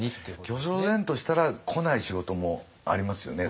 巨匠然としたら来ない仕事もありますよね